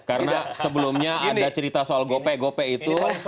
karena sebelumnya ada cerita soal gopek gopek itu